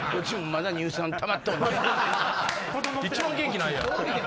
一番元気ないやん。